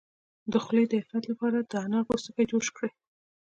د خولې د افت لپاره د انار پوستکی جوش کړئ